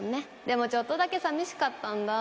でもちょっとだけさみしかったんだ。